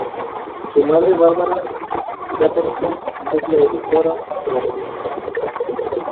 Su madre, Barbara Waterston, es la editora de la revista.